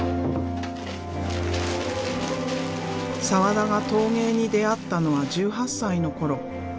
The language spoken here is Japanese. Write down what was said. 澤田が陶芸に出会ったのは１８歳の頃。